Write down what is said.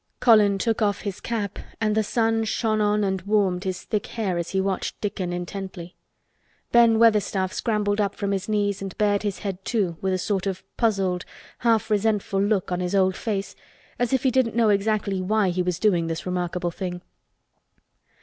Colin took off his cap and the sun shone on and warmed his thick hair as he watched Dickon intently. Ben Weatherstaff scrambled up from his knees and bared his head too with a sort of puzzled half resentful look on his old face as if he didn't know exactly why he was doing this remarkable thing.